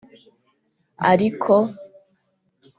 Ariko